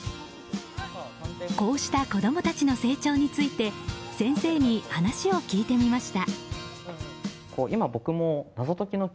こうした子供たちの成長について先生に話を聞いてみました。